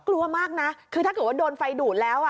กลัวมากนะคือถ้าเกิดว่าโดนไฟดูดแล้ว